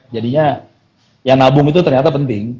jadinya yang nabung itu ternyata penting